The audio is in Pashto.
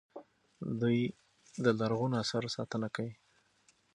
دوی د لرغونو اثارو ساتنه کوي.